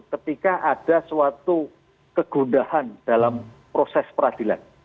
ketika ada suatu kegundahan dalam proses peradilan